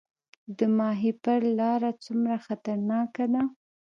د ماهیپر لاره څومره خطرناکه ده؟